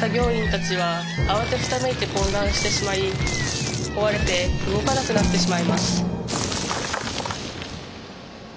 作業員たちは慌てふためいて混乱してしまい壊れて動かなくなってしまいます